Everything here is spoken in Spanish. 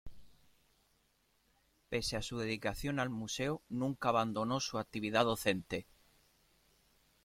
Pese a su dedicación al museo, nunca abandonó su actividad docente.